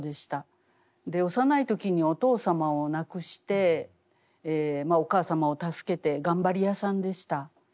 幼い時にお父様を亡くしてお母様を助けて頑張りやさんでした。